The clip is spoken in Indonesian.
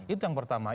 itu yang pertama